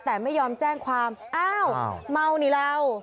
แต่ไม่ยอมแจ้งความอ้าวเมานี่เรา